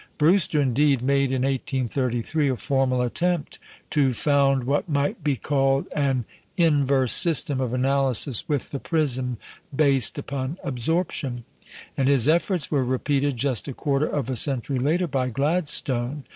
Brewster indeed made, in 1833, a formal attempt to found what might be called an inverse system of analysis with the prism based upon absorption; and his efforts were repeated, just a quarter of a century later, by Gladstone.